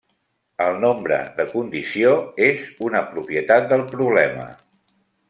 El nombre de condició és una propietat del problema.